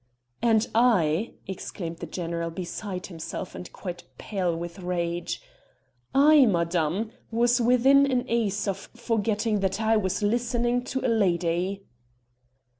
"And I," exclaimed the general beside himself, and quite pale with rage, "I, madame, was within an ace of forgetting that I was listening to a lady!"